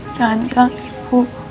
jangan bilang ibu